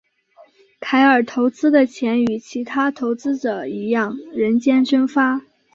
凯尔投资的钱与其他投资者一样人间蒸发。